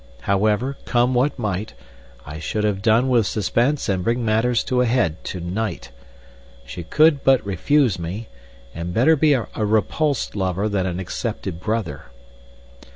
However, come what might, I should have done with suspense and bring matters to a head to night. She could but refuse me, and better be a repulsed lover than an accepted brother.